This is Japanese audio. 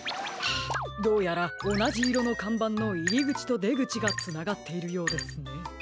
どうやらおなじいろのかんばんのいりぐちとでぐちがつながっているようですね。